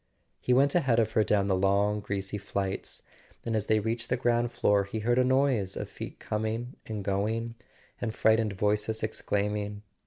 He went ahead of her down the long greasy flights, and as they reached the ground floor he heard a noise of feet coming and going, and frightened voices ex¬ claiming.